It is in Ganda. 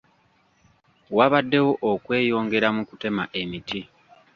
Wabaddewo okweyongera mu kutema emiti.